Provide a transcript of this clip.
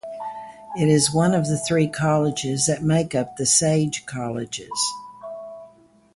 It is one of the three colleges that make up The Sage Colleges.